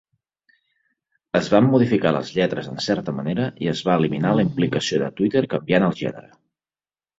Es van modificar les lletres en certa manera i es va eliminar la implicació de Tweeter canviant el gènere.